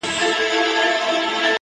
بيا دي ستني ډيري باندي ښخي کړې.